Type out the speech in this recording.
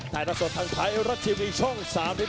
ฮัดดาสนทางไทยรัดทีวีช่อง๓๒